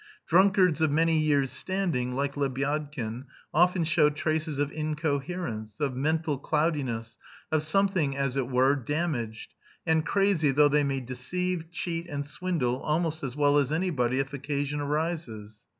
Drunkards of many years' standing, like Lebyadkin, often show traces of incoherence, of mental cloudiness, of something, as it were, damaged, and crazy, though they may deceive, cheat, and swindle, almost as well as anybody if occasion arises.